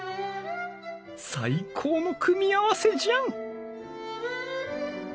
最高の組み合わせじゃん！